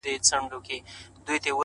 دا خو ډيره گرانه ده!